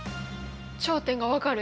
頂点がわかる！